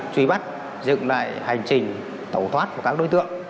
truy bắt dựng lại hành trình tẩu thoát của các đối tượng